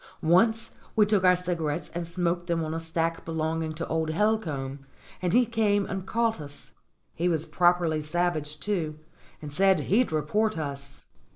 Once we took our cigarettes and smoked them on a stack belonging to old Helcomb, and he came and caught us. He was properly savage, too, and said he'd report us.